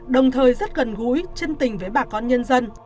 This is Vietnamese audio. đồng thời rất gần gũi chân tình với bà con nhân dân